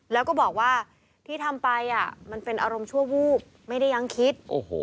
แล้วก็บอกว่าที่ทำไปมันเป็นอารมณ์ชั่ววูบไม่ได้ยังคิด